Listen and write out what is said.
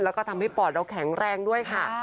แล้วก็ทำให้ปอดเราแข็งแรงด้วยค่ะ